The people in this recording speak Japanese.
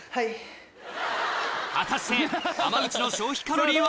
果たして浜口の消費カロリーは？